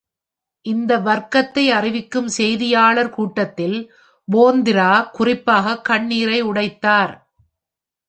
இந்த வர்த்தகத்தை அறிவிக்கும் செய்தியாளர் கூட்டத்தில், போந்திரா குறிப்பாக கண்ணீரை உடைத்தார்.